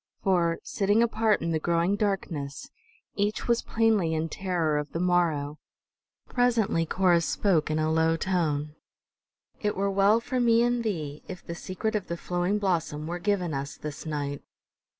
For, sitting apart in the growing darkness, each was plainly in terror of the morrow. Presently Corrus spoke in a low tone: "All the same, Dulnop, it were well for me and thee if the secret of the flowing blossom were given us this night.